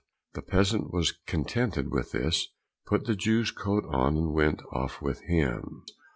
The peasant was contented with this, put the Jew's coat on, and went off with him.